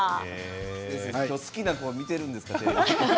今日、好きな子が見ているんですか？